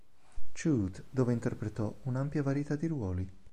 Chute, dove interpretò un'ampia varietà di ruoli.